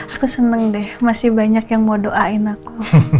aku senang deh masih banyak yang mau doain aku